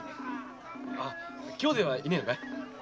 兄弟はいねえのかい？